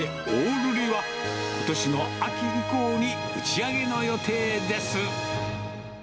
るりは、ことしの秋以降に打ち上げの予定です。